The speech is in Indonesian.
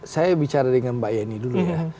saya bicara dengan mbak yeni dulu ya